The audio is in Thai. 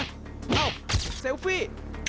อ้าวซิลฟี่